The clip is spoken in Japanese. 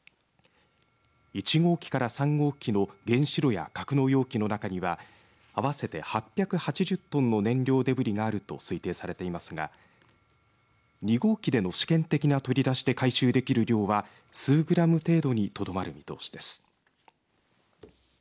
１号機から３号機の原子炉や格納容器の中には合わせて８８０トンの燃料デブリがあると推定されていますが２号機での試験的な取り出しで回収できる量は数グラム程度にとどまる見通しです。